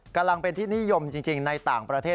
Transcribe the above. กำลังเป็นที่นิยมจริงในต่างประเทศ